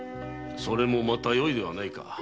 それもまたよいではないか。